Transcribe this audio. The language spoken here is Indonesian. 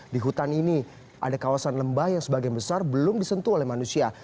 di hutan ini ada kawasan lembah yang sebagian besar belum disentuh oleh manusia